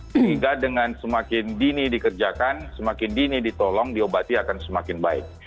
sehingga dengan semakin dini dikerjakan semakin dini ditolong diobati akan semakin baik